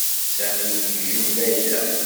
Sami yejjem Layla.